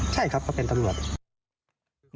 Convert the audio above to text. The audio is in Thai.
ใช่ครับเขาเป็นตำรวจ